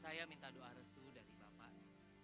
saya minta doa restu dari bapak